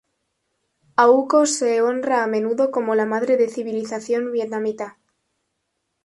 Au Co se honra a menudo como la madre de civilización Vietnamita.